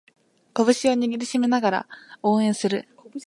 拳を握りしめながら応援する